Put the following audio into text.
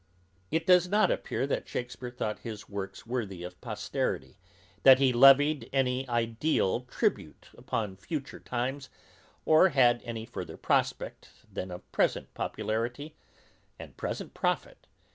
It does not appear, that Shakespeare thought his works worthy of posterity, that he levied any ideal tribute upon future times, or had any further prospect, than of present popularity and present profit.